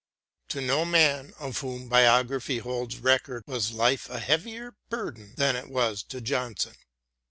To no man of whom Biography holds record was life a heavier burden than it was to Johnson.